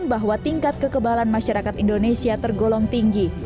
bahwa tingkat kekebalan masyarakat indonesia tergolong tinggi